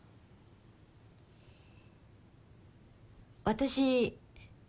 私。